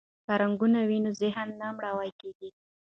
که رنګونه وي نو ذهن نه مړاوی کیږي.